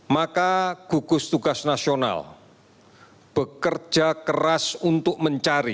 maka gugus tugas nasional bekerja keras untuk mencari